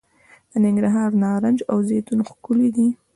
د ننګرهار نارنج او زیتون ښکلي دي.